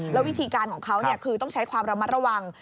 แล้ววิธีการของเขาคือต้องใช้ความระมัดระวัง